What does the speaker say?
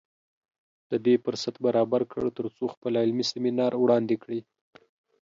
د دې فرصت برابر کړ تر څو خپل علمي سیمینار وړاندې کړي